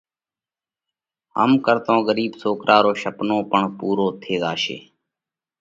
هم ڪرتون ڳرِيٻ سوڪرا رو شپنو پڻ پُورو ٿي زاشي۔